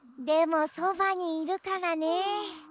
でもそばにいるからね。